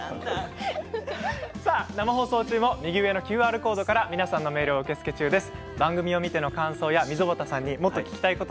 生放送中も右上のＱＲコードから皆さんのメール受け付け中です。